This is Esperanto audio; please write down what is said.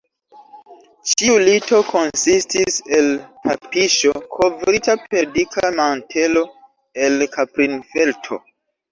Ĉiu lito konsistis el tapiŝo, kovrita per dika mantelo el kaprinfelto.